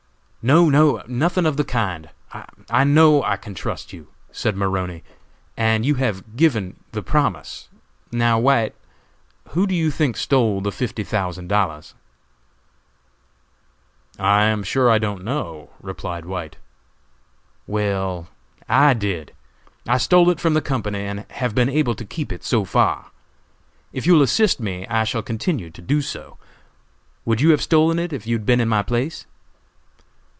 "No, no, nothing of the kind! I know I can trust you!" said Maroney, "and you have given the promise. Now, White, who do you think stole the fifty thousand dollars?" "I am sure I don't know," replied White. "Well, I did! I stole it from the company, and have been able to keep it so far. If you will assist me, I shall continue to do so. Would you have stolen it if you had been in my place?"